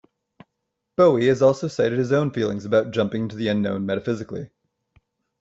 Bowie has also cited his own feelings about jumping into the unknown metaphysically.